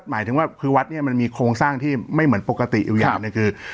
หมายถึงว่าคือวัดเนี่ยมันมีโครงสร้างที่ไม่เหมือนปกติอยู่อย่างหนึ่งคือ